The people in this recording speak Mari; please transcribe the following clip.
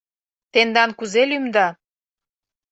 Тендан кузе лӱмда?..